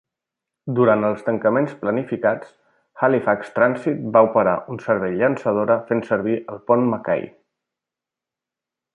Durant els tancaments planificats, Halifax Transit va operar un servei llançadora fent servir el pont MacKay.